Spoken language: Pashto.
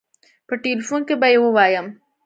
په ټيليفون کې به يې ووايم.